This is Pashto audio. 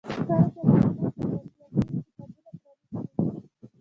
کله چې افغانستان کې ولسواکي وي کتابتونونه پرانیستي وي.